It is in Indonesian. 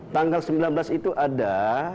tanggal sembilan belas itu ada